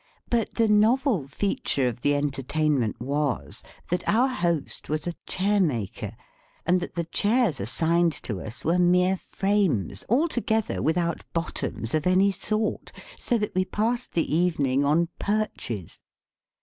But the novel feature of the entertainment was, that our host was a chair maker, and that the chairs assigned to us were mere frames, altogether without bottoms of any sort; so that we passed the evening on perches.